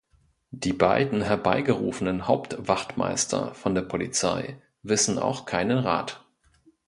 Die beiden herbeigerufenen Hauptwachtmeister von der Polizei wissen auch keinen Rat.